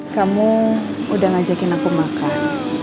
kamu udah ngajakin aku makan